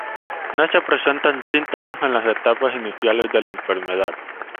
No se presentan síntomas en las etapas iniciales de la enfermedad.